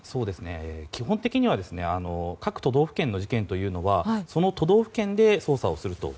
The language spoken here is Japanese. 基本的には各都道府県の事件というのはその都道府県で捜査をすると。